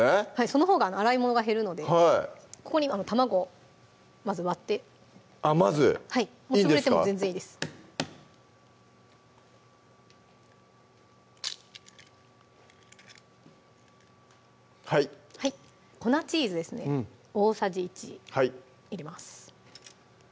そのほうが洗い物が減るのでここに卵をまず割ってあっまずいいですかはい粉チーズですね大さじ１入れます